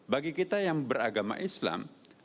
bagi kita yang beragama islam